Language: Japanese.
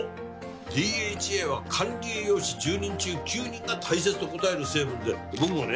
ＤＨＡは管理栄養士１０人中９人が大切と答える成分で僕もね